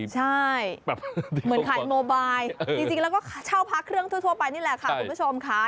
ใช่เหมือนขายโมบายจริงแล้วก็เช่าพระเครื่องทั่วไปนี่แหละค่ะคุณผู้ชมค่ะ